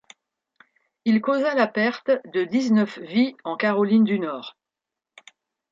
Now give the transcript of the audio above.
Il causa la perte de dix-neuf vies en Caroline du Nord.